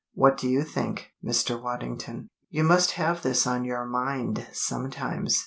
What do you think, Mr. Waddington? You must have this on your mind sometimes.